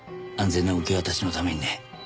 安全な受け渡しのためにね。